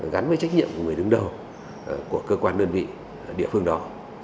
gắn với trách nhiệm của người đứng đầu của cơ quan đơn vị địa phương đó